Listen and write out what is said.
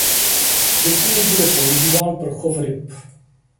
Rybník bude využíván pro chov ryb.